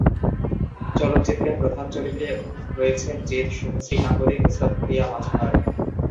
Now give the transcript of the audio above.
চলচ্চিত্রে প্রধান চরিত্রে রয়েছেন জিৎ, শুভশ্রী গাঙ্গুলী, নুসরাত ফারিয়া মাজহার।